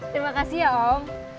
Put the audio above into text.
terima kasih ya om